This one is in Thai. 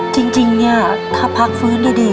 จริงเนี่ยถ้าพักฟื้นดี